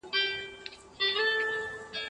تاسو بايد د سياست پوهني په اړه رښتينې پوهه ولرئ.